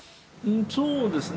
そうですね。